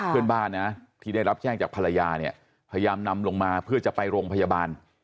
เพื่อนบ้านนะที่ได้รับแจ้งจากภรรยาเนี่ยพยายามนำลงมาเพื่อจะไปโรงพยาบาล